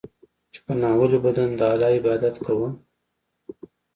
چې په ناولي بدن د الله عبادت کوم.